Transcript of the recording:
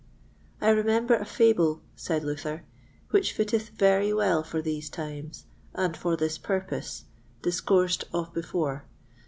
I remember a Fable, said Luther, which fitteth very well for these times, and for this purpose, discoursed of before.